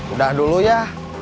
udah dulu ya